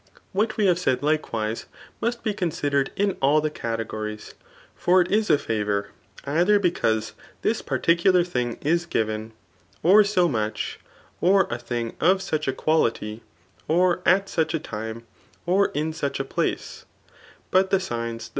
What wehasf aaid likewise^ must be omsidered in all the; categorieiL iisr ir isiwftfrotir^ either^beiiaiffie this .particular thing. is given, or so "much, or 'a thing of spch a quality, or, it such a timi^ orin sucb a place* Sut the s%ns [that!